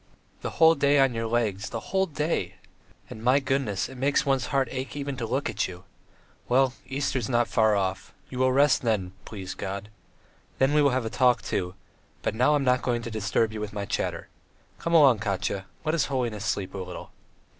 The whole day on your legs, the whole day. ... And, my goodness, it makes one's heart ache even to look at you! Well, Easter is not far off; you will rest then, please God. Then we will have a talk, too, but now I'm not going to disturb you with my chatter. Come along, Katya; let his holiness sleep a little."